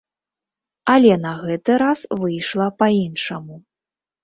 Але на гэты раз выйшла па-іншаму.